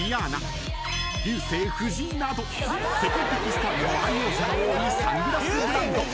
［世界的スターにも愛用者が多いサングラスブランド］